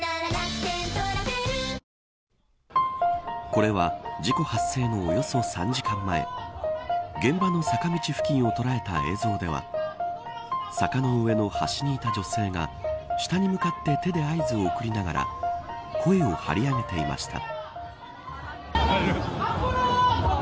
これは事故発生のおよそ３時間前現場の坂道付近を捉えた映像では坂の上の端にいた女性が下に向かって手で合図を送りながら声を張り上げていました。